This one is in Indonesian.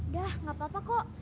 dah gak apa apa kok